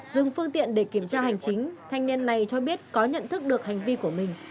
dừng phương tiện để kiểm tra hành chính thanh niên này cho biết có nhận thức được hành vi của mình